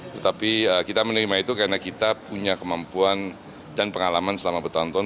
tetapi kita menerima itu karena kita punya kemampuan dan pengalaman selama bertahun tahun